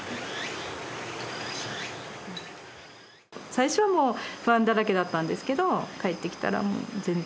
最初はもう不安だらけだったんですけど帰ってきたらもう全然。